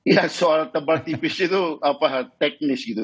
ya soal tebal tipis itu teknis gitu